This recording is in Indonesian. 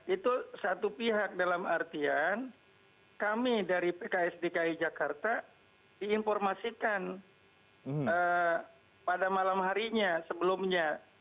itu satu pihak dalam artian kami dari pks dki jakarta diinformasikan pada malam harinya sebelumnya